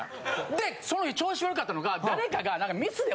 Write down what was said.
でその日調子悪かったのが誰かが。